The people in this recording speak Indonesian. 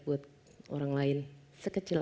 buat orang lain sekecil